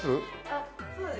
あっそうです。